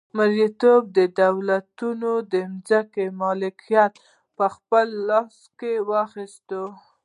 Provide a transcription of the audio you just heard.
مرئیتوب دولتونو د ځمکې مالکیت په خپل لاس کې واخیست.